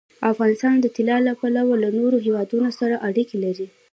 افغانستان د طلا له پلوه له نورو هېوادونو سره اړیکې لري.